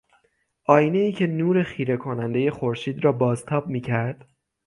آینهای که نور خیره کنندهی خورشید را بازتاب میکرد